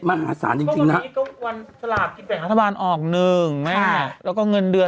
มหาศาลจริงจริงฮะวันสลาบที่แบ่งรัฐบาลออกหนึ่งค่ะแล้วก็เงินเดือน